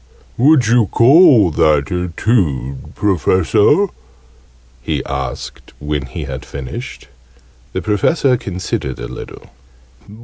Would you call that a tune, Professor?" he asked, when he had finished. The Professor considered a little.